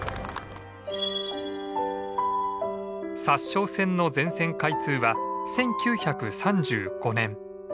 札沼線の全線開通は１９３５年。